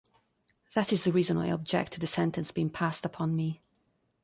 That is the reason I object to the sentence being passed upon me.